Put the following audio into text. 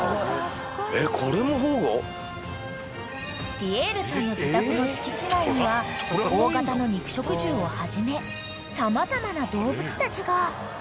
［ピエールさんの自宅の敷地内には大型の肉食獣をはじめ様々な動物たちが］